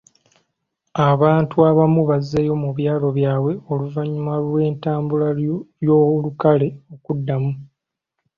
Abantu abamu bazzeeyo mu byalo byabwe oluvannyuma lw'entambula y'olukale okuddamu.